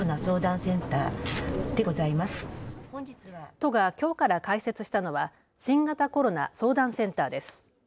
都がきょうから開設したのは新型コロナ相談センターです。